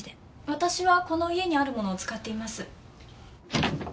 私はこの家にあるものを使っています。